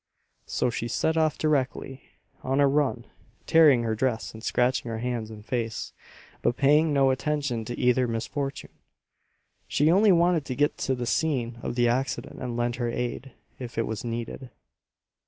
So she set off directly, on a run, tearing her dress and scratching her hands and face, but paying no attention to either misfortune. She only wanted to get to the scene of the accident and lend her aid, if it was needed.